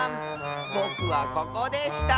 ぼくはここでした！